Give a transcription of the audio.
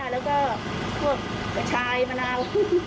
แล้วก็ผี้ชายมะนาว